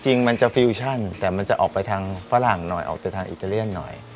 จริงมันจะฟิวชั่นแต่มันจะออกไปทางฝรั่งหน่อยออกจากทางอิตาเลียนหน่อย